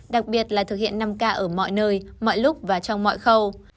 đặc biệt là thực hiện năm k ở mọi nơi mọi lúc và trong mọi khâu